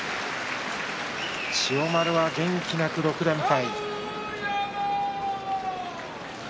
千代丸は元気なく６連敗。